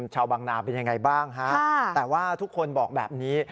ชาวบางนาเป็นยังไงบ้างฮะแต่ว่าทุกคนบอกแบบนี้